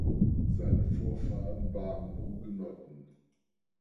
Seine Vorfahren waren Hugenotten.